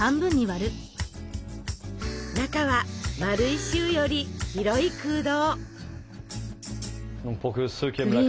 中は丸いシューより広い空洞！